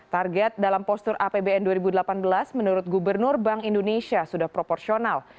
target dalam postur apbn dua ribu delapan belas menurut gubernur bank indonesia sudah proporsional